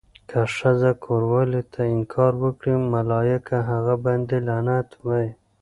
که ښځه کوروالې ته انکار وکړي، ملايکه هغه باندې لعنت وایی.